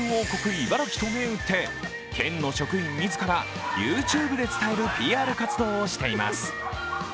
いばらきと銘打って県の職員自らＹｏｕＴｕｂｅで伝えるＰＲ活動をしています。